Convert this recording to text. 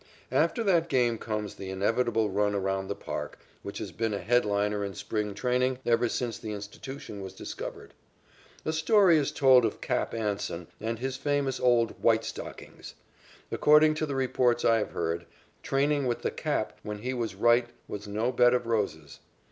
After that game comes the inevitable run around the park which has been a headliner in spring training ever since the institution was discovered. A story is told of "Cap" Anson and his famous old White Stockings. According to the reports I have heard, training with the "Cap" when he was right was no bed of roses.